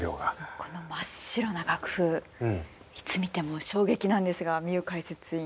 この真っ白な楽譜いつ見ても衝撃なんですがミユかいせついん。